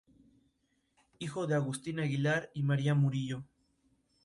El pobre le replicó: "Permita Dios que se te vuelva tierra".